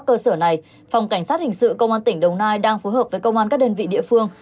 cảnh sát hình sự công an tỉnh đồng nai đang phối hợp với công an các đơn vị địa phương